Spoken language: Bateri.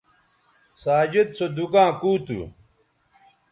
ساجد سو دُکاں کُو تھو